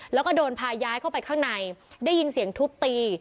แล้วก็โดนพาย้ายเข้าไปข้างในได้ยินเสียงทุบตี